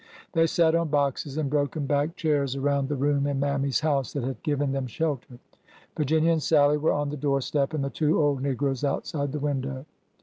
They sat on boxes and broken backed chairs around the room in Mammy's house that had given them shelter. Virginia and Sallie were on the door step, and the two old negroes outside the window.